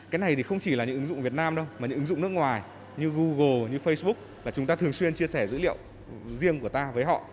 cái này thì không chỉ là những ứng dụng việt nam đâu mà những ứng dụng nước ngoài như google như facebook là chúng ta thường xuyên chia sẻ dữ liệu riêng của ta với họ